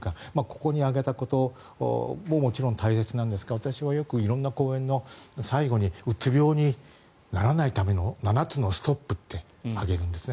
ここに挙げたことももちろん大切なんですが私はよく色んな講演の最後にうつ病にならないための７つのストップって挙げるんです。